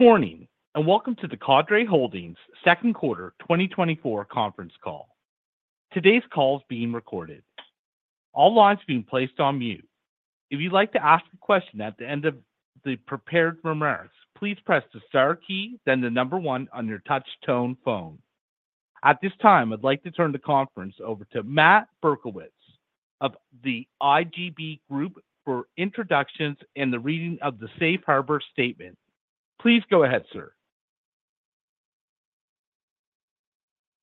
Good morning, and welcome to the Cadre Holdings second quarter 2024 conference call. Today's call is being recorded. All lines have been placed on mute. If you'd like to ask a question at the end of the prepared remarks, please press the star key, then the number one on your touch tone phone. At this time, I'd like to turn the conference over to Matt Berkowitz of The IGB Group for introductions and the reading of the Safe Harbor statement. Please go ahead, sir.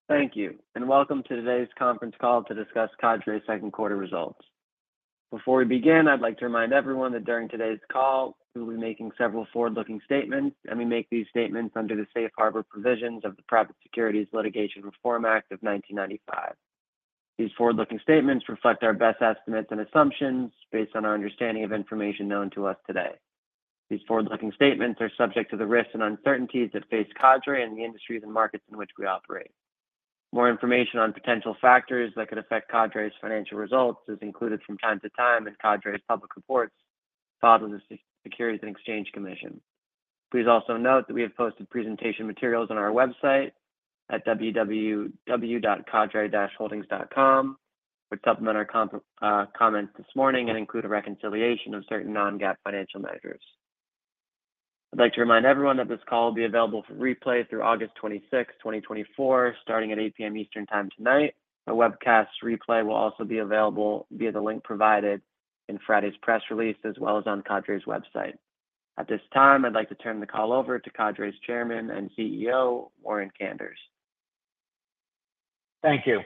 Thank you, and welcome to today's conference call to discuss Cadre's second quarter results. Before we begin, I'd like to remind everyone that during today's call, we'll be making several forward-looking statements, and we make these statements under the Safe Harbor provisions of the Private Securities Litigation Reform Act of 1995. These forward-looking statements reflect our best estimates and assumptions based on our understanding of information known to us today. These forward-looking statements are subject to the risks and uncertainties that face Cadre and the industries and markets in which we operate. More information on potential factors that could affect Cadre's financial results is included from time to time in Cadre's public reports, filed with the Securities and Exchange Commission. Please also note that we have posted presentation materials on our website at www.cadre-holdings.com, which supplement our comp, comments this morning and include a reconciliation of certain non-GAAP financial measures. I'd like to remind everyone that this call will be available for replay through August 26, 2024, starting at 8 P.M. Eastern Time tonight. A webcast replay will also be available via the link provided in Friday's press release, as well as on Cadre's website. At this time, I'd like to turn the call over to Cadre's Chairman and CEO, Warren Kanders. Thank you.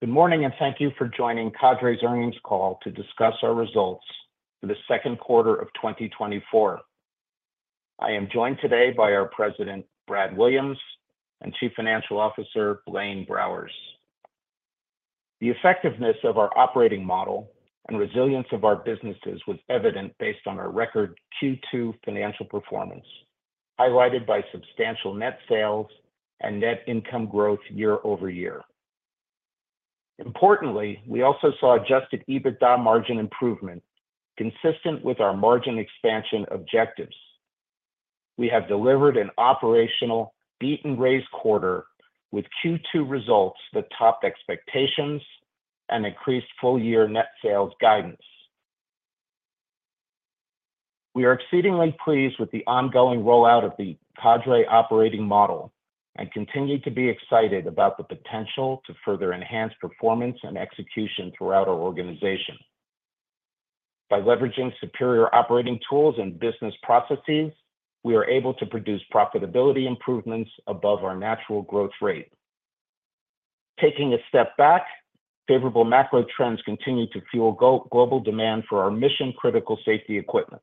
Good morning, and thank you for joining Cadre's earnings call to discuss our results for the second quarter of 2024. I am joined today by our president, Brad Williams, and Chief Financial Officer, Blaine Browers. The effectiveness of our operating model and resilience of our businesses was evident based on our record Q2 financial performance, highlighted by substantial net sales and net income growth year-over-year. Importantly, we also saw adjusted EBITDA margin improvement, consistent with our margin expansion objectives. We have delivered an operational beat and raise quarter with Q2 results that topped expectations and increased full year net sales guidance. We are exceedingly pleased with the ongoing rollout of the Cadre operating model and continue to be excited about the potential to further enhance performance and execution throughout our organization. By leveraging superior operating tools and business processes, we are able to produce profitability improvements above our natural growth rate. Taking a step back, favorable macro trends continue to fuel global demand for our mission-critical safety equipment.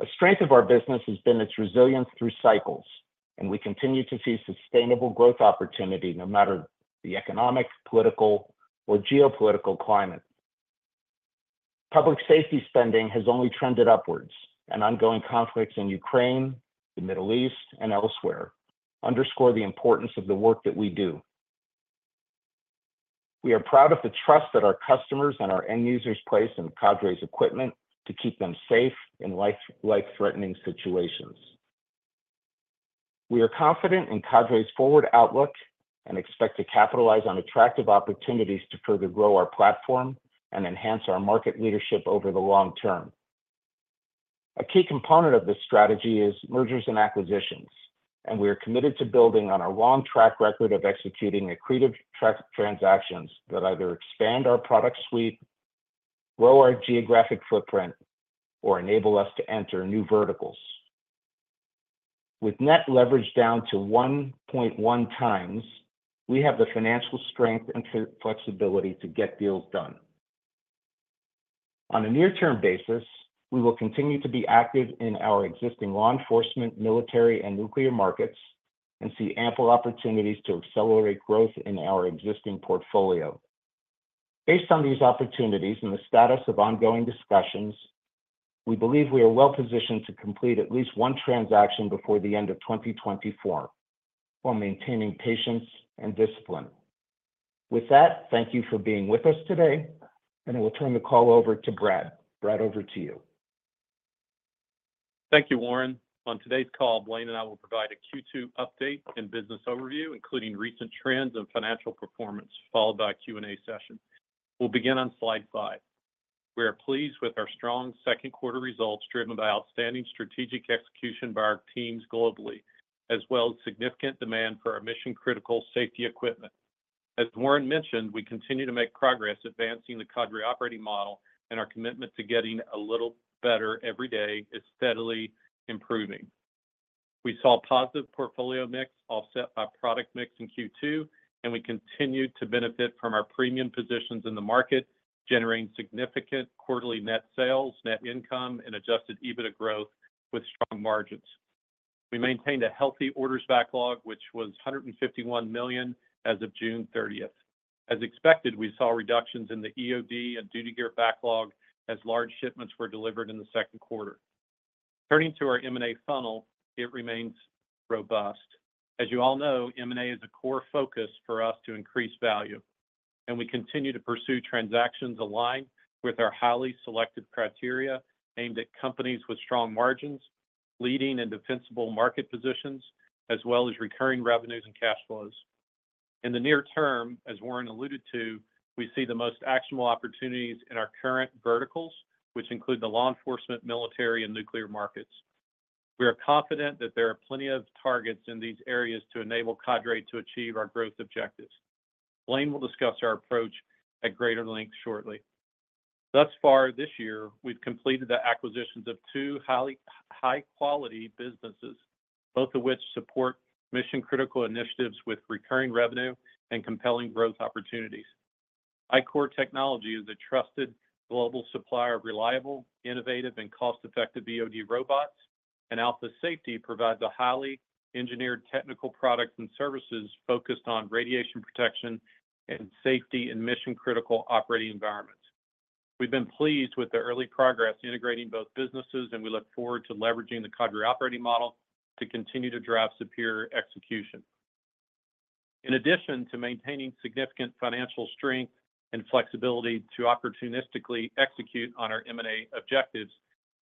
A strength of our business has been its resilience through cycles, and we continue to see sustainable growth opportunity, no matter the economic, political, or geopolitical climate. Public safety spending has only trended upwards, and ongoing conflicts in Ukraine, the Middle East, and elsewhere underscore the importance of the work that we do. We are proud of the trust that our customers and our end users place in Cadre's equipment to keep them safe in life, life-threatening situations. We are confident in Cadre's forward outlook and expect to capitalize on attractive opportunities to further grow our platform and enhance our market leadership over the long term. A key component of this strategy is mergers and acquisitions, and we are committed to building on our long track record of executing accretive transactions that either expand our product suite, grow our geographic footprint, or enable us to enter new verticals. With net leverage down to 1.1 times, we have the financial strength and flexibility to get deals done. On a near-term basis, we will continue to be active in our existing law enforcement, military, and nuclear markets and see ample opportunities to accelerate growth in our existing portfolio. Based on these opportunities and the status of ongoing discussions, we believe we are well positioned to complete at least one transaction before the end of 2024, while maintaining patience and discipline. With that, thank you for being with us today, and I will turn the call over to Brad. Brad, over to you. Thank you, Warren. On today's call, Blaine and I will provide a Q2 update and business overview, including recent trends and financial performance, followed by a Q&A session. We'll begin on slide 5. We are pleased with our strong second quarter results, driven by outstanding strategic execution by our teams globally, as well as significant demand for our mission-critical safety equipment. As Warren mentioned, we continue to make progress advancing the Cadre operating model, and our commitment to getting a little better every day is steadily improving. We saw positive portfolio mix offset by product mix in Q2, and we continued to benefit from our premium positions in the market, generating significant quarterly net sales, net income, and Adjusted EBITDA growth with strong margins. We maintained a healthy orders backlog, which was $151 million as of June 30th. As expected, we saw reductions in the EOD and duty gear backlog as large shipments were delivered in the second quarter. Turning to our M&A funnel, it remains robust. As you all know, M&A is a core focus for us to increase value... and we continue to pursue transactions aligned with our highly selective criteria, aimed at companies with strong margins, leading and defensible market positions, as well as recurring revenues and cash flows. In the near term, as Warren alluded to, we see the most actionable opportunities in our current verticals, which include the law enforcement, military, and nuclear markets. We are confident that there are plenty of targets in these areas to enable Cadre to achieve our growth objectives. Blaine will discuss our approach at greater length shortly. Thus far, this year, we've completed the acquisitions of two high-quality businesses, both of which support mission-critical initiatives with recurring revenue and compelling growth opportunities. ICOR Technology is a trusted global supplier of reliable, innovative, and cost-effective EOD robots, and Alpha Safety provides a highly engineered technical products and services focused on radiation protection and safety in mission-critical operating environments. We've been pleased with the early progress integrating both businesses, and we look forward to leveraging the Cadre operating model to continue to drive superior execution. In addition to maintaining significant financial strength and flexibility to opportunistically execute on our M&A objectives,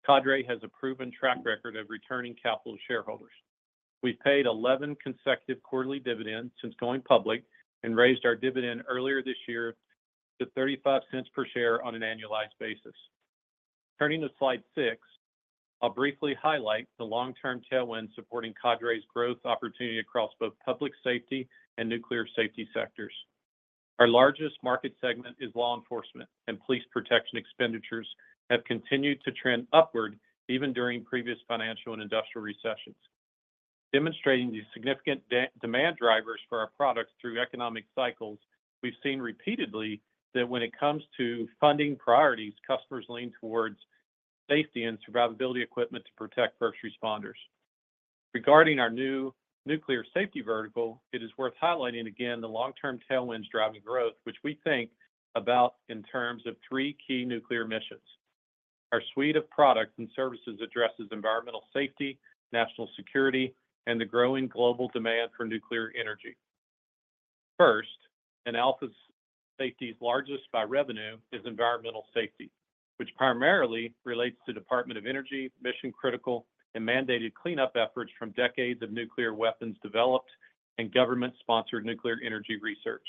Cadre has a proven track record of returning capital to shareholders. We've paid 11 consecutive quarterly dividends since going public and raised our dividend earlier this year to $0.35 per share on an annualized basis. Turning to slide 6, I'll briefly highlight the long-term tailwind supporting Cadre's growth opportunity across both public safety and nuclear safety sectors. Our largest market segment is law enforcement, and police protection expenditures have continued to trend upward, even during previous financial and industrial recessions. Demonstrating these significant demand drivers for our products through economic cycles, we've seen repeatedly that when it comes to funding priorities, customers lean towards safety and survivability equipment to protect first responders. Regarding our new nuclear safety vertical, it is worth highlighting again the long-term tailwinds driving growth, which we think about in terms of three key nuclear missions. Our suite of products and services addresses environmental safety, national security, and the growing global demand for nuclear energy. First, and Alpha Safety's largest by revenue, is environmental safety, which primarily relates to Department of Energy, mission-critical, and mandated cleanup efforts from decades of nuclear weapons developed and government-sponsored nuclear energy research.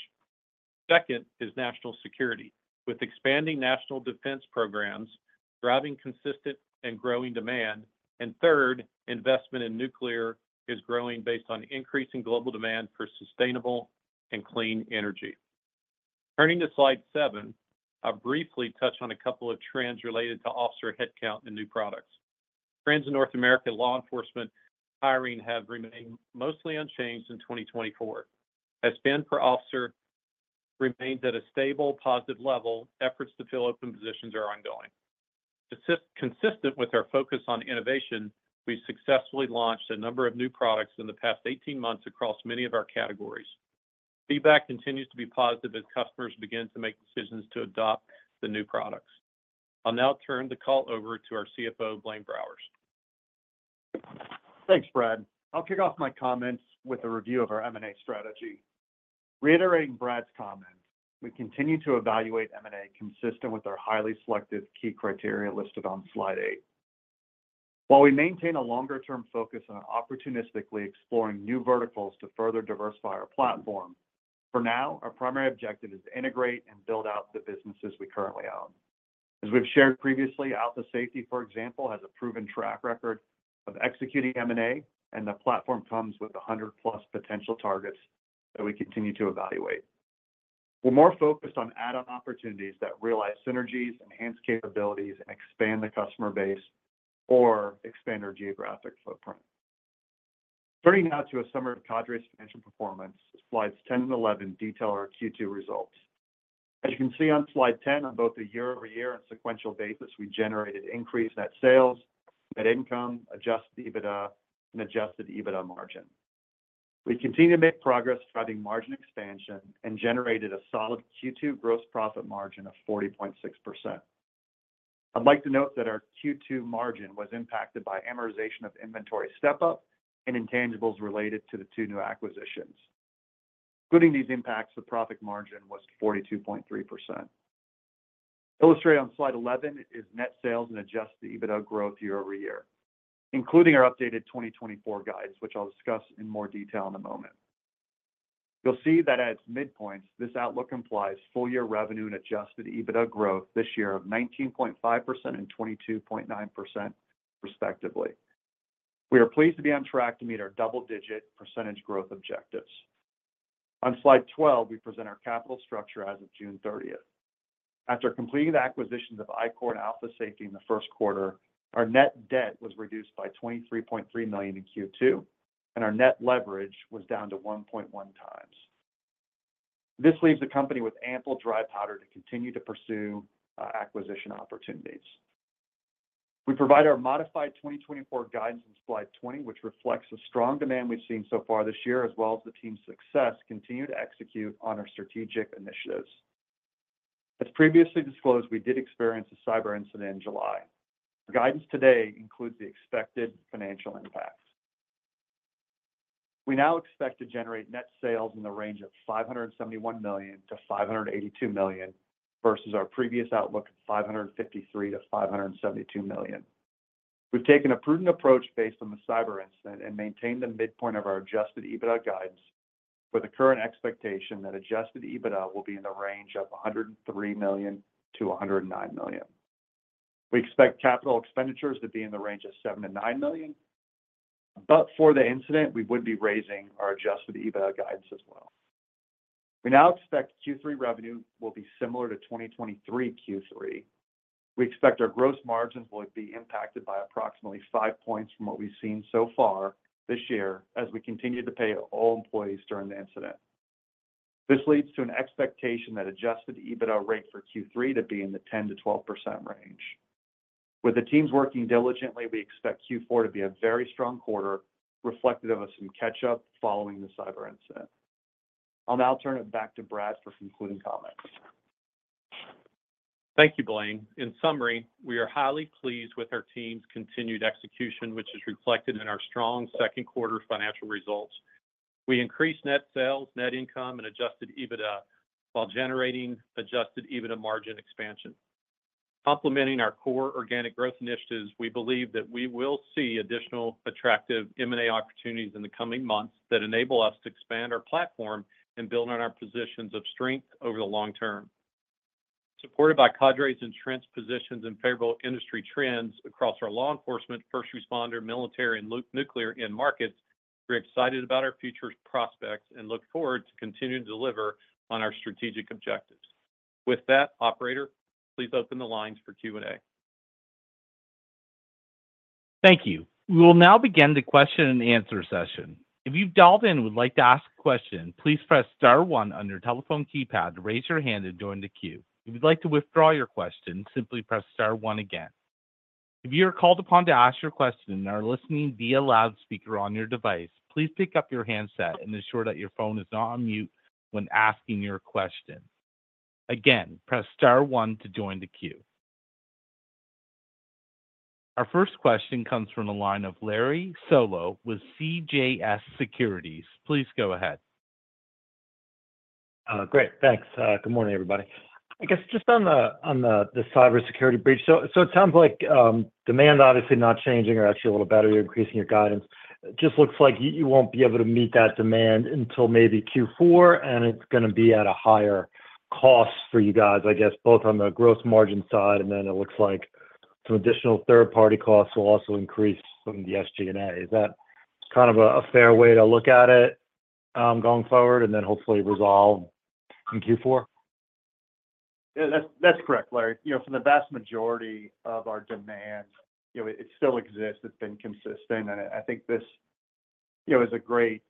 Second, is national security, with expanding national defense programs driving consistent and growing demand. And third, investment in nuclear is growing based on increasing global demand for sustainable and clean energy. Turning to slide 7, I'll briefly touch on a couple of trends related to officer headcount and new products. Trends in North American law enforcement hiring have remained mostly unchanged in 2024. As spend per officer remains at a stable, positive level, efforts to fill open positions are ongoing. Consistent with our focus on innovation, we've successfully launched a number of new products in the past 18 months across many of our categories. Feedback continues to be positive as customers begin to make decisions to adopt the new products. I'll now turn the call over to our CFO, Blaine Browers. Thanks, Brad. I'll kick off my comments with a review of our M&A strategy. Reiterating Brad's comments, we continue to evaluate M&A consistent with our highly selective key criteria listed on Slide 8. While we maintain a longer-term focus on opportunistically exploring new verticals to further diversify our platform, for now, our primary objective is to integrate and build out the businesses we currently own. As we've shared previously, Alpha Safety, for example, has a proven track record of executing M&A, and the platform comes with 100-plus potential targets that we continue to evaluate. We're more focused on add-on opportunities that realize synergies, enhance capabilities, and expand the customer base or expand our geographic footprint. Turning now to a summary of Cadre's financial performance, Slides 10 and 11 detail our Q2 results. As you can see on Slide 10, on both a year-over-year and sequential basis, we generated increased net sales, net income, adjusted EBITDA, and adjusted EBITDA margin. We continue to make progress driving margin expansion and generated a solid Q2 gross profit margin of 40.6%. I'd like to note that our Q2 margin was impacted by amortization of inventory step-up and intangibles related to the two new acquisitions. Including these impacts, the profit margin was 42.3%. Illustrated on Slide 11 is net sales and adjusted EBITDA growth year over year, including our updated 2024 guides, which I'll discuss in more detail in a moment. You'll see that at its midpoints, this outlook implies full-year revenue and adjusted EBITDA growth this year of 19.5% and 22.9%, respectively. We are pleased to be on track to meet our double-digit percentage growth objectives. On Slide 12, we present our capital structure as of June 30th. After completing the acquisitions of ICOR and Alpha Safety in the first quarter, our net debt was reduced by $23.3 million in Q2, and our net leverage was down to 1.1 times. This leaves the company with ample dry powder to continue to pursue acquisition opportunities. We provide our modified 2024 guidance on Slide 20, which reflects the strong demand we've seen so far this year, as well as the team's success, continue to execute on our strategic initiatives. As previously disclosed, we did experience a cyber incident in July. The guidance today includes the expected financial impacts. We now expect to generate net sales in the range of $571 million-$582 million, versus our previous outlook of $553-$572 million. We've taken a prudent approach based on the cyber incident and maintained the midpoint of our adjusted EBITDA guidance, with the current expectation that adjusted EBITDA will be in the range of $103 million-$109 million. We expect capital expenditures to be in the range of $7-$9 million, but for the incident, we would be raising our adjusted EBITDA guidance as well. We now expect Q3 revenue will be similar to 2023 Q3. We expect our gross margins will be impacted by approximately 5 points from what we've seen so far this year, as we continue to pay all employees during the incident. This leads to an expectation that Adjusted EBITDA rate for Q3 to be in the 10%-12% range. With the teams working diligently, we expect Q4 to be a very strong quarter, reflective of some catch-up following the cyber incident. I'll now turn it back to Brad for concluding comments. Thank you, Blaine. In summary, we are highly pleased with our team's continued execution, which is reflected in our strong second quarter financial results. We increased net sales, net income, and Adjusted EBITDA, while generating Adjusted EBITDA margin expansion. Complementing our core organic growth initiatives, we believe that we will see additional attractive M&A opportunities in the coming months, that enable us to expand our platform and build on our positions of strength over the long term. Supported by Cadre's entrenched positions and favorable industry trends across our law enforcement, first responder, military, and nuclear end markets, we're excited about our future prospects and look forward to continuing to deliver on our strategic objectives. With that, operator, please open the lines for Q&A. Thank you. We will now begin the question and answer session. If you've dialed in and would like to ask a question, please press star one on your telephone keypad to raise your hand and join the queue. If you'd like to withdraw your question, simply press star one again. If you are called upon to ask your question and are listening via loudspeaker on your device, please pick up your handset and ensure that your phone is not on mute when asking your question. Again, press star one to join the queue. Our first question comes from the line of Larry Solow with CJS Securities. Please go ahead. Great, thanks. Good morning, everybody. I guess just on the cybersecurity breach, it sounds like demand obviously not changing or actually a little better, you're increasing your guidance. It just looks like you won't be able to meet that demand until maybe Q4, and it's gonna be at a higher cost for you guys, I guess, both on the gross margin side, and then it looks like some additional third-party costs will also increase from the SG&A. Is that kind of a fair way to look at it, going forward, and then hopefully resolve in Q4? Yeah, that's, that's correct, Larry. You know, for the vast majority of our demand, you know, it still exists. It's been consistent, and I think this, you know, is a great,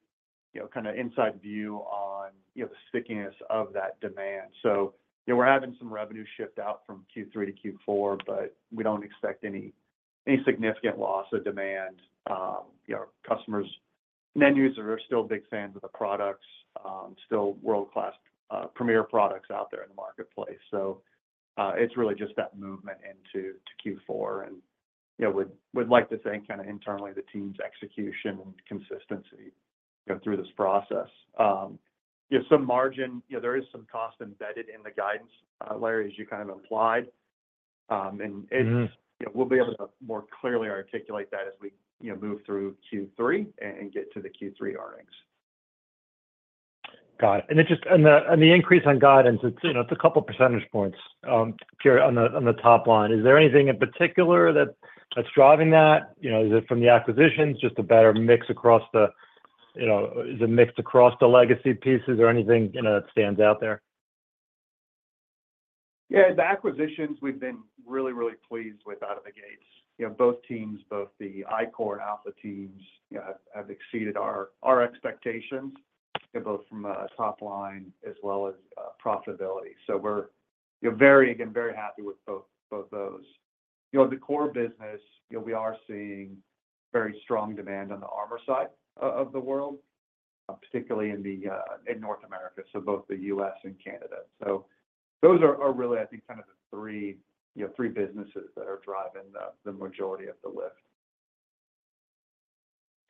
you know, kind of inside view on, you know, the stickiness of that demand. So, you know, we're having some revenue shift out from Q3 to Q4, but we don't expect any, any significant loss of demand. You know, customers and end users are still big fans of the products, still world-class, premier products out there in the marketplace. So, it's really just that movement into to Q4, and, you know, we'd, we'd like to thank kind of internally, the team's execution and consistency, you know, through this process. Yeah, some margin, you know, there is some cost embedded in the guidance, Larry, as you kind of implied. And it's you know, we'll be able to more clearly articulate that as we, you know, move through Q3 and get to the Q3 earnings. Got it. And the increase on guidance, it's, you know, it's a couple percentage points, pure on the top line. Is there anything in particular that's driving that? You know, is it from the acquisitions, just a better mix across the, you know, the mix across the legacy pieces or anything, you know, that stands out there? Yeah, the acquisitions, we've been really, really pleased with out of the gates. You know, both teams, both the ICOR and Alpha teams, have exceeded our, our expectations, you know, both from a top line as well as profitability. So we're, you know, very, again, very happy with both, both those. You know, the core business, you know, we are seeing very strong demand on the armor side of the world, particularly in North America, so both the U.S. and Canada. So those are, are really, I think, kind of the three, you know, three businesses that are driving the, the majority of the lift.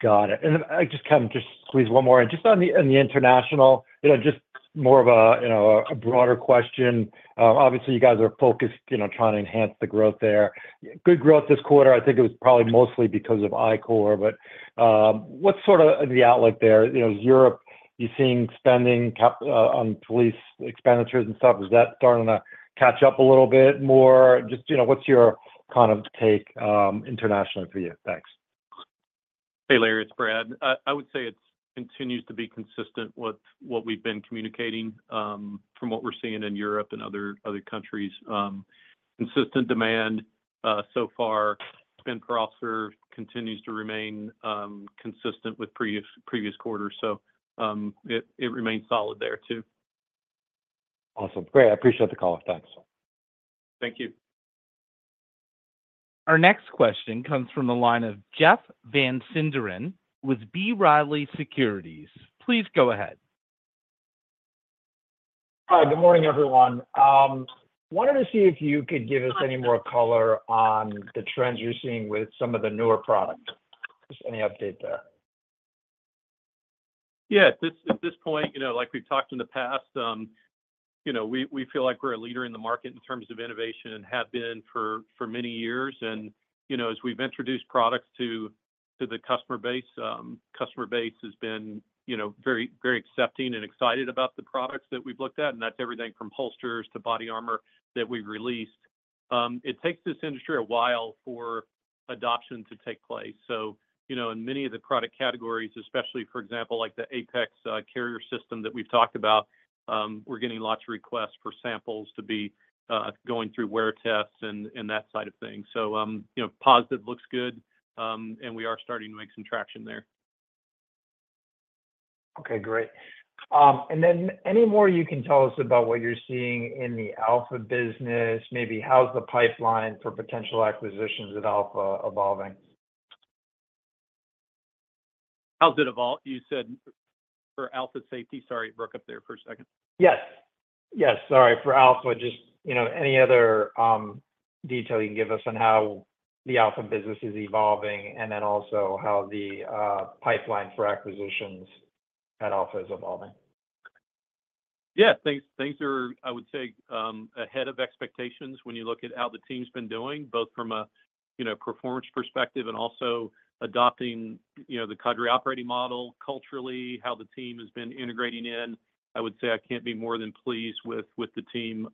Got it. And then I just kind of just squeeze one more in. Just on the, on the international, you know, just more of a, you know, a broader question. Obviously, you guys are focused, you know, trying to enhance the growth there. Good growth this quarter, I think it was probably mostly because of ICOR. But, what's sort of the outlook there? You know, Europe, you're seeing spending cap on police expenditures and stuff. Is that starting to catch up a little bit more? Just, you know, what's your kind of take, internationally for you? Thanks. Hey, Larry, it's Brad. I would say it continues to be consistent with what we've been communicating from what we're seeing in Europe and other countries. Consistent demand so far, spend per officer continues to remain consistent with previous quarters, so it remains solid there, too. Awesome. Great, I appreciate the call. Thanks. Thank you. Our next question comes from the line of Jeff Van Sinderen with B. Riley Securities. Please go ahead.... Hi, good morning, everyone. Wanted to see if you could give us any more color on the trends you're seeing with some of the newer products. Just any update there? Yeah. At this, at this point, you know, like we've talked in the past, you know, we, we feel like we're a leader in the market in terms of innovation and have been for, for many years. And, you know, as we've introduced products to, to the customer base, customer base has been, you know, very, very accepting and excited about the products that we've looked at, and that's everything from holsters to body armor that we've released. It takes this industry a while for adoption to take place. So, you know, in many of the product categories, especially, for example, like the Apex carrier system that we've talked about, we're getting lots of requests for samples to be going through wear tests and that side of things. You know, positive looks good, and we are starting to make some traction there. Okay, great. Any more you can tell us about what you're seeing in the Alpha business? Maybe how's the pipeline for potential acquisitions at Alpha evolving? How's it evolve? You said for Alpha Safety? Sorry, it broke up there for a second. Yes. Yes, sorry, for Alpha. Just, you know, any other detail you can give us on how the Alpha business is evolving, and then also how the pipeline for acquisitions at Alpha is evolving. Yeah, things are, I would say, ahead of expectations when you look at how the team's been doing, both from a performance perspective and also adopting the Cadre operating model culturally, how the team has been integrating in. I would say I can't be more than pleased with the team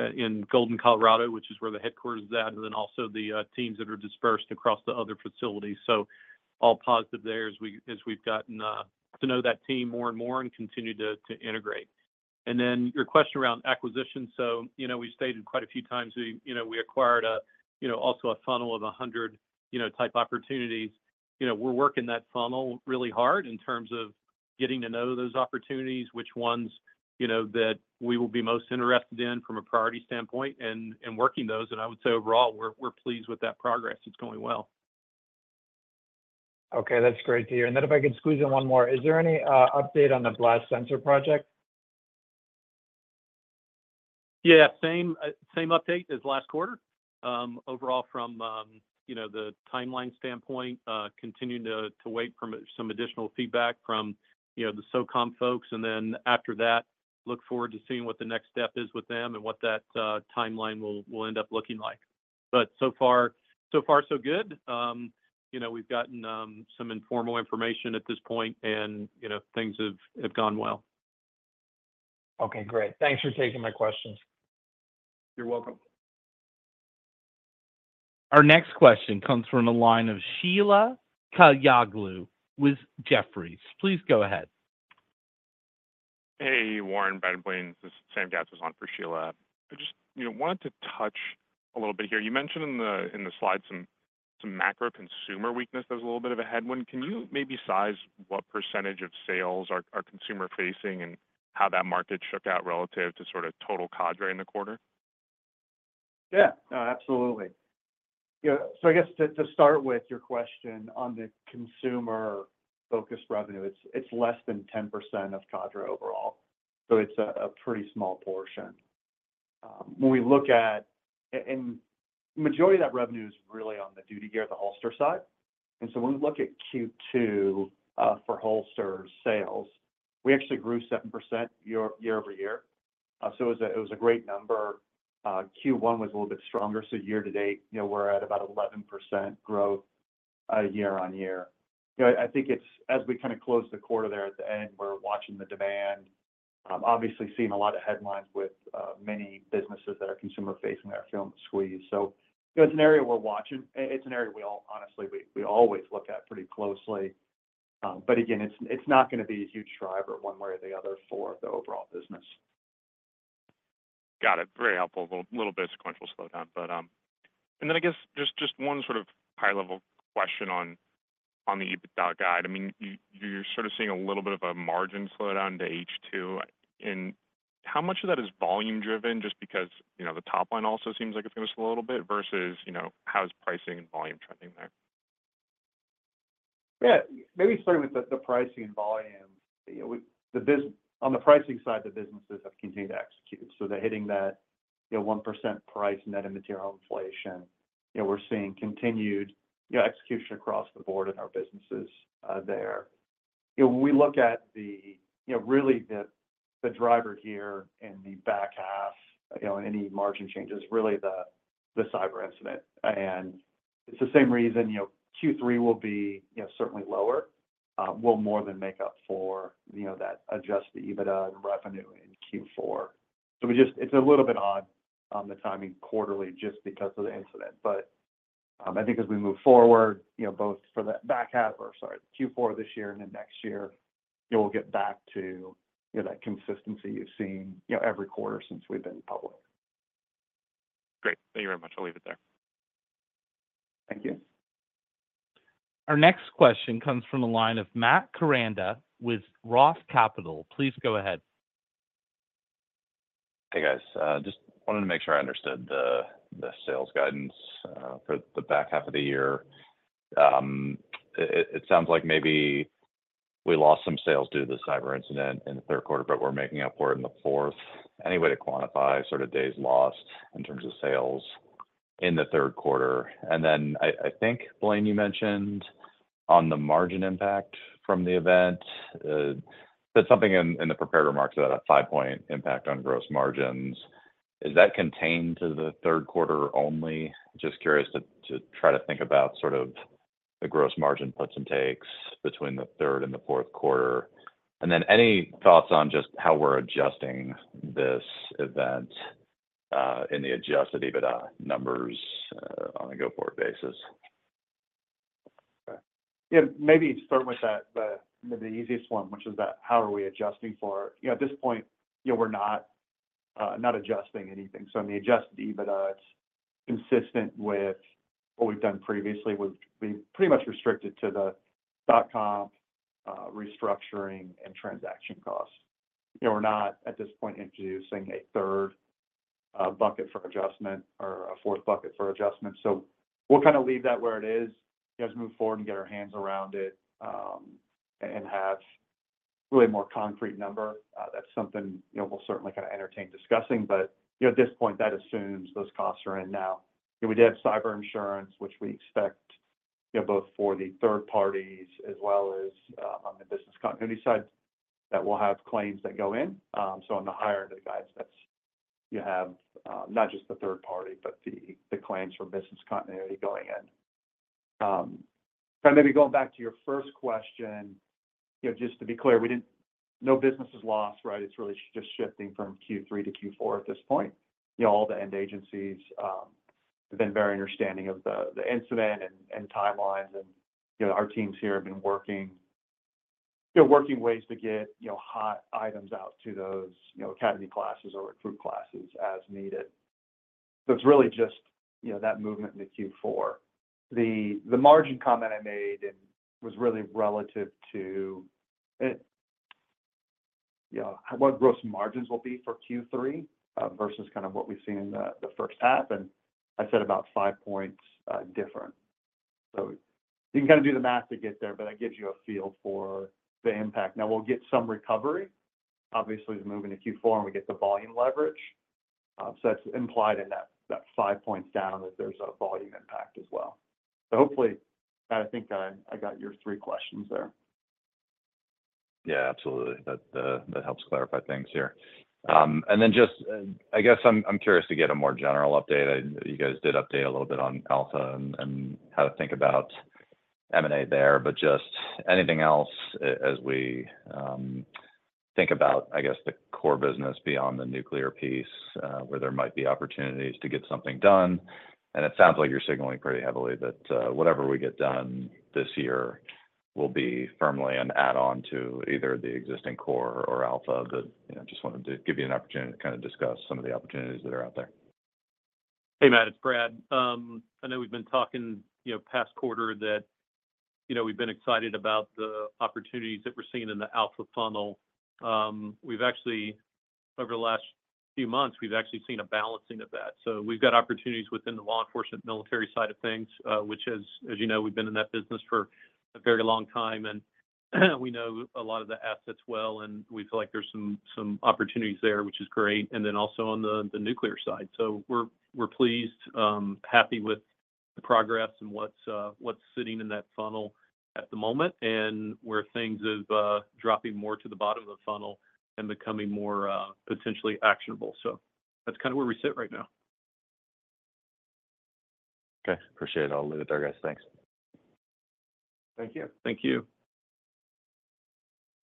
in Golden, Colorado, which is where the headquarters is at, and then also the teams that are dispersed across the other facilities. So all positive there as we've gotten to know that team more and more and continue to integrate. And then your question around acquisition. So, you know, we've stated quite a few times we, you know, we acquired a funnel of 100 type opportunities. You know, we're working that funnel really hard in terms of getting to know those opportunities, which ones, you know, that we will be most interested in from a priority standpoint and working those. I would say overall, we're pleased with that progress. It's going well. Okay, that's great to hear. And then if I could squeeze in one more, is there any update on the blast sensor project? Yeah, same, same update as last quarter. Overall from, you know, the timeline standpoint, continuing to wait for some additional feedback from, you know, the SOCOM folks. And then after that, look forward to seeing what the next step is with them and what that timeline will end up looking like. But so far, so far so good. You know, we've gotten some informal information at this point, and, you know, things have gone well. Okay, great. Thanks for taking my questions. You're welcome. Our next question comes from the line of Sheila Kahyaoglu with Jefferies. Please go ahead. Hey, Warren, Blaine, this is Sam Gazzaz for Sheila Kahyaoglu. I just, you know, wanted to touch a little bit here. You mentioned in the, in the slide some, some macro consumer weakness as a little bit of a headwind. Can you maybe size what percentage of sales are, are consumer-facing and how that market shook out relative to sort of total Cadre in the quarter? Yeah. Absolutely. Yeah, so I guess to start with your question on the consumer-focused revenue, it's less than 10% of Cadre overall, so it's a pretty small portion. When we look at and majority of that revenue is really on the duty gear, the holster side. And so when we look at Q2, for holster sales, we actually grew 7% year-over-year. So it was a great number. Q1 was a little bit stronger, so year to date, you know, we're at about 11% growth, year-on-year. You know, I think it's, as we kind of close the quarter there at the end, we're watching the demand. Obviously, seeing a lot of headlines with many businesses that are consumer-facing that are feeling the squeeze. So, you know, it's an area we're watching. It's an area we honestly always look at pretty closely. But again, it's not gonna be a huge driver one way or the other for the overall business. Got it. Very helpful. A little bit sequential slowdown, but, And then I guess just, just one sort of high-level question on, on the EBITDA guide. I mean, you, you're sort of seeing a little bit of a margin slowdown to H2. And how much of that is volume driven? Just because, you know, the top line also seems like it's going slow a little bit versus, you know, how is pricing and volume trending there? Yeah. Maybe starting with the pricing volume. You know, on the pricing side, the businesses have continued to execute, so they're hitting that, you know, 1% price net of material inflation. You know, we're seeing continued, you know, execution across the board in our businesses there. When we look at really the driver here in the back half, you know, any margin changes, really the cyber incident. And it's the same reason, you know, Q3 will be, you know, certainly lower, will more than make up for, you know, that adjusted EBITDA and revenue in Q4. So it's a little bit odd on the timing quarterly just because of the incident. But, I think as we move forward, you know, both for the back half or, sorry, Q4 this year and then next year, you know, we'll get back to, you know, that consistency you've seen, you know, every quarter since we've been public. Great. Thank you very much. I'll leave it there. Thank you. Our next question comes from a line of Matt Koranda with Roth Capital Partners. Please go ahead.... Hey, guys. Just wanted to make sure I understood the sales guidance for the back half of the year. It sounds like maybe we lost some sales due to the cyber incident in the third quarter, but we're making up for it in the fourth. Any way to quantify sort of days lost in terms of sales in the third quarter? And then I think, Blaine, you mentioned on the margin impact from the event, said something in the prepared remarks about a 5-point impact on gross margins. Is that contained to the third quarter only? Just curious to try to think about sort of the gross margin puts and takes between the third and the fourth quarter. And then any thoughts on just how we're adjusting this event in the Adjusted EBITDA numbers on a go-forward basis? Yeah, maybe start with that, the easiest one, which is that how are we adjusting for... You know, at this point, you know, we're not not adjusting anything. So on the Adjusted EBITDA, it's consistent with what we've done previously, with being pretty much restricted to the stock comp, restructuring and transaction costs. You know, we're not, at this point, introducing a third bucket for adjustment or a fourth bucket for adjustment. So we'll kind of leave that where it is, just move forward and get our hands around it, and have really a more concrete number. That's something, you know, we'll certainly kind of entertain discussing. But, you know, at this point, that assumes those costs are in now. You know, we did have cyber insurance, which we expect, you know, both for the third parties as well as on the business continuity side, that we'll have claims that go in. So on the higher end of the guidance, that's you have not just the third party, but the claims for business continuity going in. But maybe going back to your first question, you know, just to be clear, no business is lost, right? It's really just shifting from Q3 to Q4 at this point. You know, all the end agencies have been very understanding of the incident and timelines. You know, our teams here have been working, you know, working ways to get, you know, hot items out to those, you know, academy classes or recruit classes as needed. So it's really just, you know, that movement into Q4. The margin comment I made, it was really relative to, you know, what gross margins will be for Q3, versus kind of what we've seen in the first half, and I said about 5 points different. So you can kind of do the math to get there, but that gives you a feel for the impact. Now, we'll get some recovery, obviously, as we move into Q4 and we get the volume leverage. So that's implied in that 5 points down, that there's a volume impact as well. So hopefully, I think I got your 3 questions there. Yeah, absolutely. That, that helps clarify things here. And then just, I guess I'm curious to get a more general update. You guys did update a little bit on Alpha and how to think about M&A there, but just anything else as we think about, I guess, the core business beyond the nuclear piece, where there might be opportunities to get something done. And it sounds like you're signaling pretty heavily that, whatever we get done this year will be firmly an add-on to either the existing core or Alpha. But, you know, just wanted to give you an opportunity to kind of discuss some of the opportunities that are out there. Hey, Matt, it's Brad. I know we've been talking, you know, past quarter that, you know, we've been excited about the opportunities that we're seeing in the Alpha funnel. We've actually, over the last few months, we've actually seen a balancing of that. So we've got opportunities within the law enforcement, military side of things, which as, as you know, we've been in that business for a very long time, and we know a lot of the assets well, and we feel like there's some, some opportunities there, which is great. And then also on the, the nuclear side. So we're, we're pleased, happy with the progress and what's, what's sitting in that funnel at the moment, and where things is, dropping more to the bottom of the funnel and becoming more, potentially actionable. So that's kind of where we sit right now. Okay. Appreciate it. I'll leave it there, guys. Thanks. Thank you. Thank you.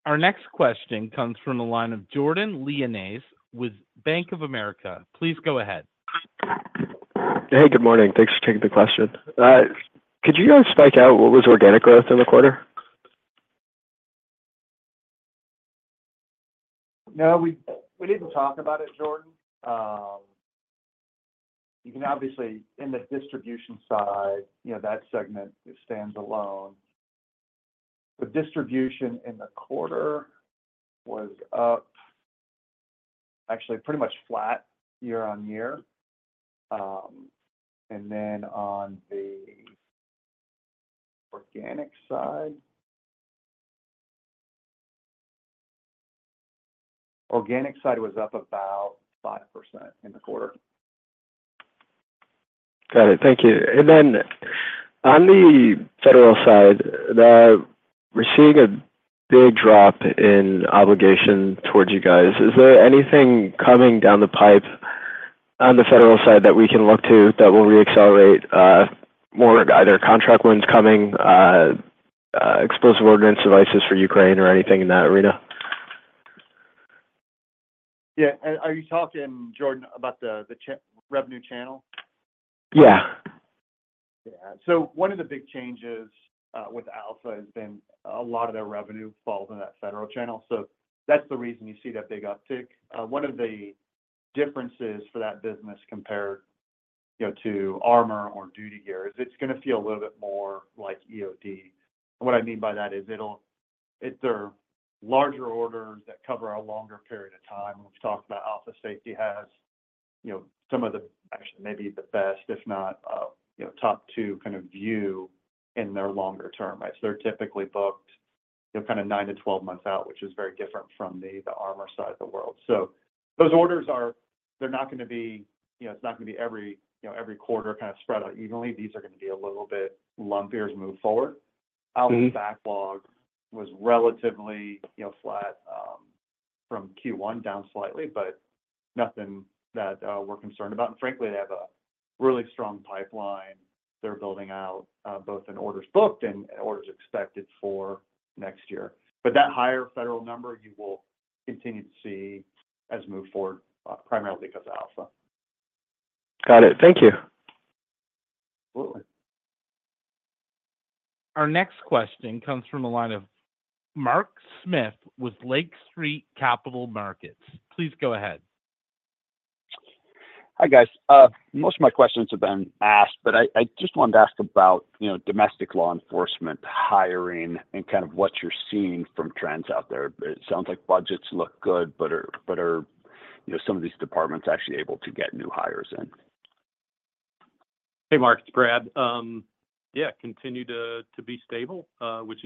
Our next question comes from the line of Jordan Lyonnais with Bank of America. Please go ahead. Hey, good morning. Thanks for taking the question. Could you guys break out what was organic growth in the quarter? No, we didn't talk about it, Jordan. You can obviously, in the distribution side, you know, that segment stands alone. The distribution in the quarter was up, actually pretty much flat year-over-year. And then on the organic side... Organic side was up about 5% in the quarter. Got it. Thank you. And then on the federal side, we're seeing a big drop in obligation towards you guys. Is there anything coming down the pipe on the federal side that we can look to that will reaccelerate more either contract wins coming, explosive ordnance devices for Ukraine or anything in that arena? Yeah. Are you talking, Jordan, about the revenue channel? Yeah. Yeah. So one of the big changes with Alpha has been a lot of their revenue falls in that federal channel, so that's the reason you see that big uptick. One of the differences for that business compared to armor or duty gear is it's gonna feel a little bit more like EOD. And what I mean by that is it's larger orders that cover a longer period of time. We've talked about how Alpha Safety has, you know, some of the, actually maybe the best, if not, top two kind of view in their longer term, right? So they're typically booked, you know, kind of 9-12 months out, which is very different from the armor side of the world. So those orders are, they're not gonna be, you know, it's not gonna be every, you know, every quarter kind of spread out evenly. These are gonna be a little bit lumpier as we move forward. Mm-hmm. Our backlog was relatively, you know, flat from Q1 down slightly, but nothing that we're concerned about. And frankly, they have a really strong pipeline they're building out both in orders booked and orders expected for next year. But that higher federal number, you will continue to see as we move forward, primarily because of Alpha. Got it. Thank you. Absolutely. Our next question comes from the line of Mark Smith with Lake Street Capital Markets. Please go ahead. Hi, guys. Most of my questions have been asked, but I just wanted to ask about, you know, domestic law enforcement hiring and kind of what you're seeing from trends out there. It sounds like budgets look good, but are, you know, some of these departments actually able to get new hires in? Hey, Mark, it's Brad. Yeah, continue to be stable, which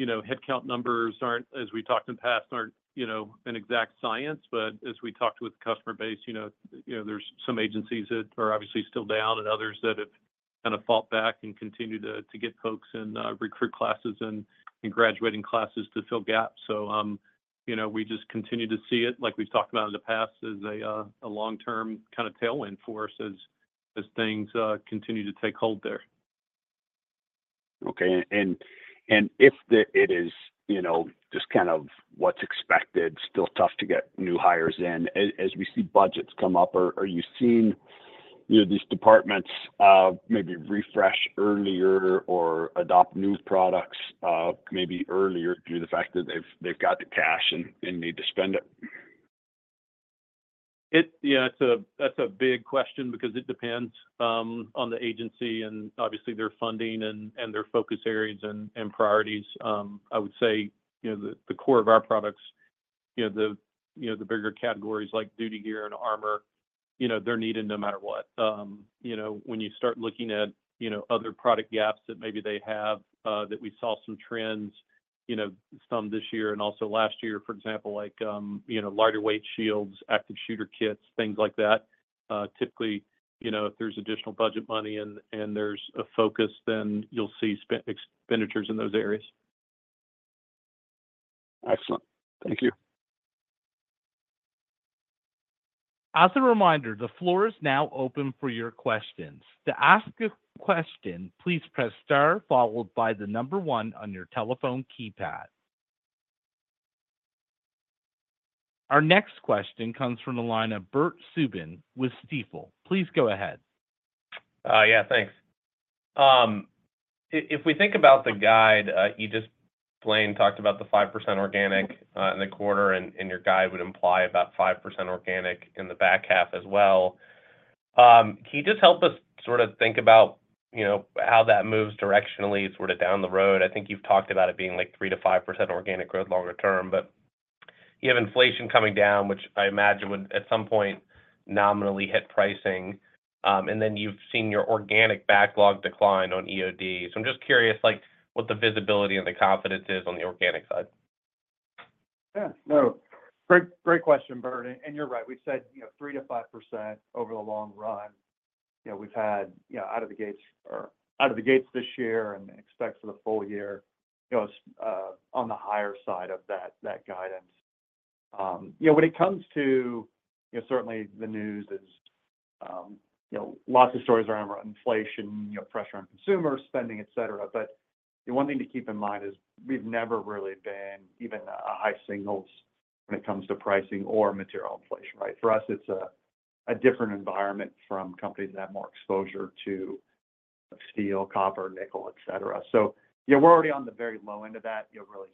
is great. You know, headcount numbers aren't, as we talked in the past, an exact science, but as we talked with the customer base, you know, there's some agencies that are obviously still down and others that have kind of fought back and continue to get folks in, recruit classes and in graduating classes to fill gaps. So, you know, we just continue to see it, like we've talked about in the past, as a long-term kind of tailwind for us as things continue to take hold there. Okay. And if it is, you know, just kind of what's expected, still tough to get new hires in, as we see budgets come up, are you seeing, you know, these departments maybe refresh earlier or adopt new products maybe earlier due to the fact that they've got the cash and need to spend it? Yeah, that's a big question because it depends on the agency and obviously their funding and their focus areas and priorities. I would say, you know, the core of our products, you know, the bigger categories like duty gear and armor, you know, they're needed no matter what. You know, when you start looking at other product gaps that maybe they have, that we saw some trends, you know, some this year and also last year, for example, like lighter weight shields, active shooter kits, things like that, typically, you know, if there's additional budget money and there's a focus, then you'll see expenditures in those areas. Excellent. Thank you. As a reminder, the floor is now open for your questions. To ask a question, please press star followed by the number one on your telephone keypad. Our next question comes from the line of Bert Subin with Stifel. Please go ahead. Yeah, thanks. If we think about the guide, you just, Blaine, talked about the 5% organic in the quarter, and your guide would imply about 5% organic in the back half as well. Can you just help us sort of think about, you know, how that moves directionally sort of down the road? I think you've talked about it being, like, 3%-5% organic growth longer term, but you have inflation coming down, which I imagine would, at some point, nominally hit pricing. And then you've seen your organic backlog decline on EOD. So I'm just curious, like, what the visibility and the confidence is on the organic side. Yeah. No, great, great question, Bert, and, and you're right. We've said, you know, 3%-5% over the long run. You know, we've had, you know, out of the gates or out of the gates this year and expect for the full year, you know, on the higher side of that, that guidance. You know, when it comes to. You know, certainly the news is, you know, lots of stories around inflation, you know, pressure on consumer spending, et cetera. But the one thing to keep in mind is we've never really been even a high singles when it comes to pricing or material inflation, right? For us, it's a, a different environment from companies that have more exposure to steel, copper, nickel, et cetera. So, you know, we're already on the very low end of that, you know, really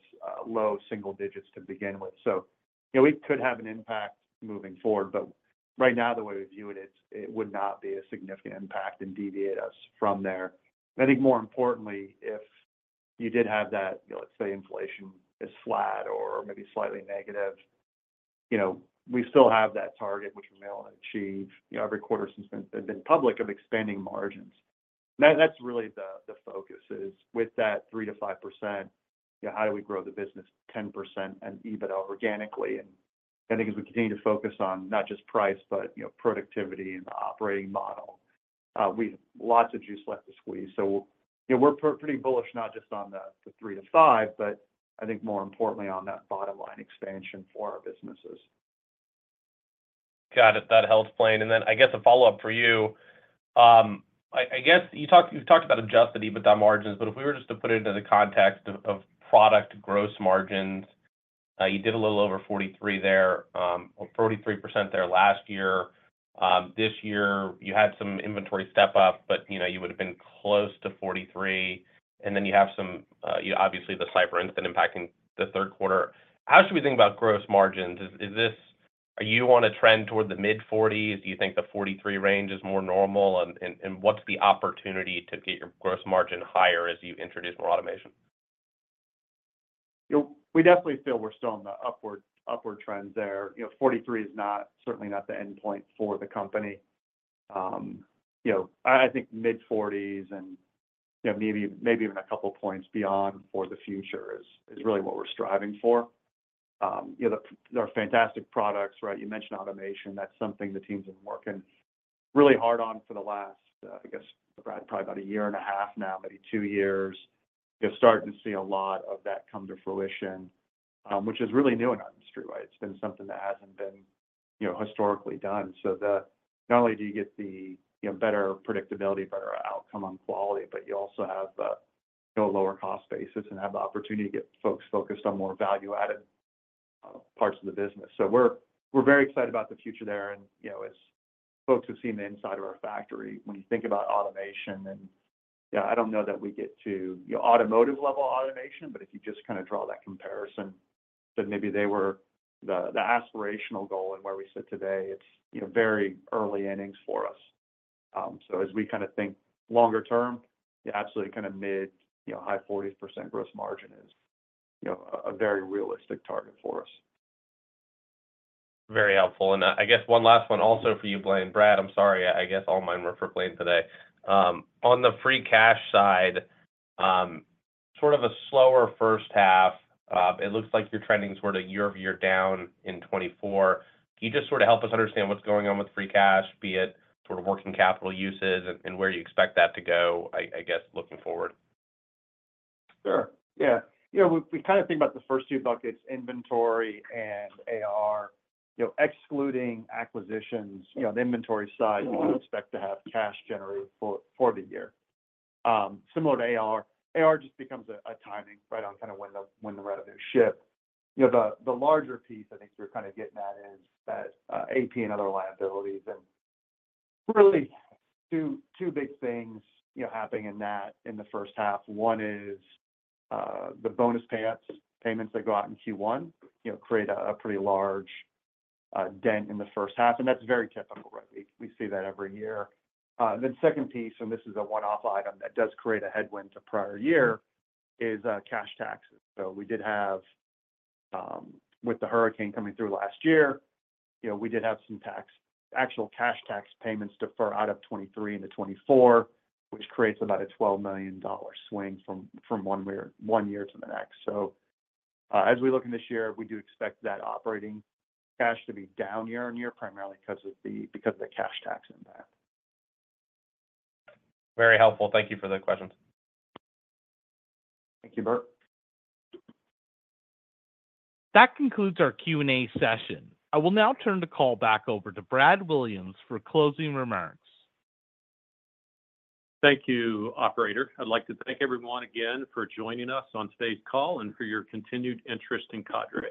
low single digits to begin with. So, you know, we could have an impact moving forward, but right now, the way we view it, it's. It would not be a significant impact and deviate us from there. I think more importantly, if you did have that, you know, let's say inflation is flat or maybe slightly negative, you know, we still have that target, which we were able to achieve, you know, every quarter since we've been public, of expanding margins. That's really the focus is, with that 3%-5%, you know, how do we grow the business 10% and EBITDA organically? And I think as we continue to focus on not just price, but, you know, productivity and the operating model, we have lots of juice left to squeeze. So, you know, we're pretty bullish, not just on the 3-5, but I think more importantly on that bottom line expansion for our businesses. Got it. That helps, Blaine. And then, I guess a follow-up for you. I guess you talked about Adjusted EBITDA margins, but if we were just to put it into the context of product gross margins, you did a little over 43 there, or 43% there last year. This year you had some inventory step up, but, you know, you would've been close to 43, and then you have some, you know, obviously, the cyber incident impacting the third quarter. How should we think about gross margins? Is this... Are you on a trend toward the mid-40s? Do you think the 43 range is more normal? And what's the opportunity to get your gross margin higher as you introduce more automation? You know, we definitely feel we're still on the upward, upward trend there. You know, 43 is not, certainly not the endpoint for the company. You know, I think mid-40s and, you know, maybe, maybe even a couple points beyond for the future is really what we're striving for. You know, there are fantastic products, right? You mentioned automation. That's something the teams have been working really hard on for the last, I guess, Brad, probably about a year and a half now, maybe 2 years. You're starting to see a lot of that come to fruition, which is really new in our industry, right? It's been something that hasn't been, you know, historically done. So, not only do you get the, you know, better predictability, better outcome on quality, but you also have a, you know, lower cost basis and have the opportunity to get folks focused on more value-added parts of the business. So we're, we're very excited about the future there. And, you know, as folks who've seen the inside of our factory, when you think about automation, and, you know, I don't know that we get to, you know, automotive-level automation, but if you just kinda draw that comparison, then maybe they were the aspirational goal and where we sit today, it's, you know, very early innings for us. So as we kinda think longer term, the absolutely kinda mid, you know, high 40% gross margin is, you know, a, a very realistic target for us. Very helpful. And I guess one last one also for you, Blaine. Brad, I'm sorry. I guess all mine were for Blaine today. On the free cash side, sort of a slower first half. It looks like you're trending sort of year-over-year down in 2024. Can you just sort of help us understand what's going on with free cash, be it sort of working capital uses and where you expect that to go, I guess, looking forward? Sure. Yeah. You know, we kind of think about the first two buckets, inventory and AR. You know, excluding acquisitions, you know, the inventory side, we would expect to have cash generated for the year. Similar to AR, AR just becomes a timing right on kind of when the rest of their ship. You know, the larger piece, I think you're kind of getting at, is that AP and other liabilities, and really two big things, you know, happening in that in the first half. One is the bonus payouts, payments that go out in Q1, you know, create a pretty large dent in the first half, and that's very typical, right? We see that every year. The second piece, and this is a one-off item that does create a headwind to prior year, is cash taxes. So we did have, with the hurricane coming through last year, you know, we did have some tax actual cash tax payments defer out of 2023 into 2024, which creates about a $12 million swing from one year to the next. So, as we look in this year, we do expect that operating cash to be down year-on-year, primarily because of the cash tax impact. Very helpful. Thank you for the questions. Thank you, Bert. That concludes our Q&A session. I will now turn the call back over to Brad Williams for closing remarks. Thank you, operator. I'd like to thank everyone again for joining us on today's call and for your continued interest in Cadre.